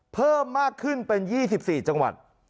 เพิ่มมากขึ้นเป็น๒๔จังหวัด